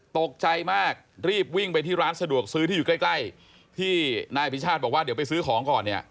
ตกใจมากรีบวิ่งไปที่ร้านสะดวกซื้อที่อยู่ใกล้ใกล้ที่นายอภิชาติบอกว่าเดี๋ยวไปซื้อของก่อนเนี่ย